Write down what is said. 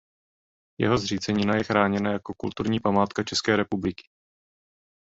Jeho zřícenina je chráněna jako kulturní památka České republiky.